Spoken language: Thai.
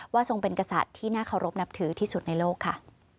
ทรงเป็นกษัตริย์ที่น่าเคารพนับถือที่สุดในโลกค่ะ